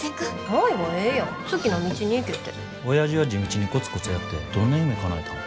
おやじは地道にコツコツやってどんな夢かなえたん。